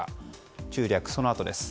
中略、そのあとです。